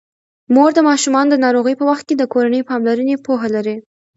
مور د ماشومانو د ناروغۍ په وخت د کورني پاملرنې پوهه لري.